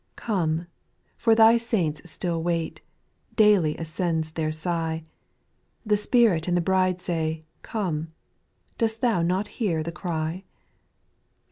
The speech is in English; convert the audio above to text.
2. Come, for Thy saints still wait ; Daily ascends their sigh : The Spirit and the Ijride say, Come, — Dost Thou not hear the cry